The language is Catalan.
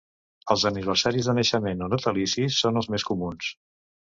Els aniversaris de naixement o natalicis són els més comuns.